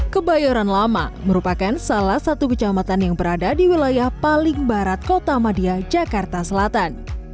kebayoran lama merupakan salah satu kecamatan yang berada di wilayah paling barat kota madia jakarta selatan